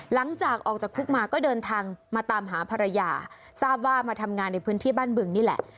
หลังจากออกจากคุกมาก็เดินทางมาตามหาภรรยาทราบว่ามาทำงานในพื้นที่บ้านบึงนี่แหละ